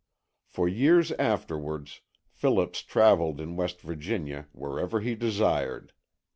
For years afterwards Phillips traveled in West Virginia wherever he desired.